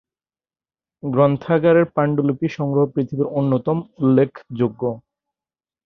গ্রন্থাগারের পাণ্ডুলিপি সংগ্রহ পৃথিবীর অন্যতম উল্লেখযোগ্য।